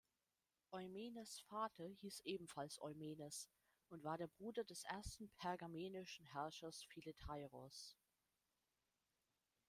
Eumenes' Vater hieß ebenfalls Eumenes und war der Bruder des ersten pergamenischen Herrschers Philetairos.